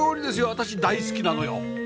私大好きなのよ！